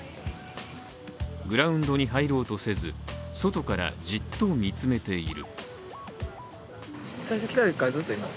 グラウンドに入ろうとせず、外からじっと見つめている。